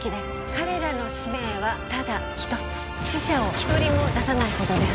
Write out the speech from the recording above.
彼らの使命はただ一つ死者を一人も出さないことです